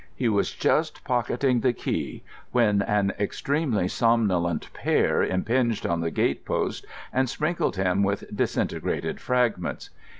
He was just pocketing the key when an extremely somnolent pear impinged on the gate post and sprinkled him with disintegrated fragments.